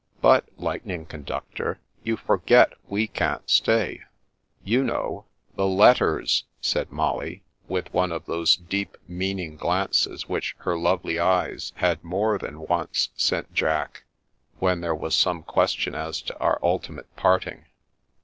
" But, Lightning Conductor, you forget we can't stay. You know — the letters/* said Molly, with one of those deep, meaning glances which her lovely eyes had more than once sent Jack, when there was some question as to our ultimate parting.